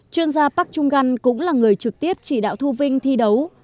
chuyên gia park chung gan cũng là người trực tiếp chỉ đạo thu vinh thi đấu